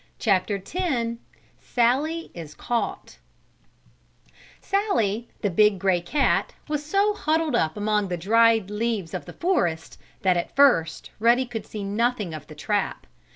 CHAPTER X SALLIE IS CAUGHT Sallie, the big, gray cat, was so huddled up among the dried leaves of the forest that, at first, Ruddy could see nothing of the trap.